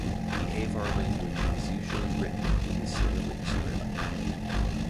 The Avar language is usually written in the Cyrillic script.